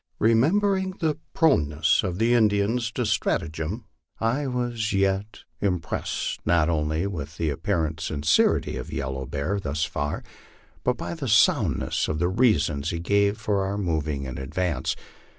Remembering the proneness of the Indians to stratagem, I was yet im pressed not only with the apparent sincerity of Yellow Bear thus far, but by the soundness of the reasons he gave for our moving in advance.